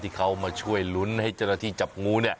ที่เขามาช่วยลุ้นให้เจ้าหน้าที่จับงู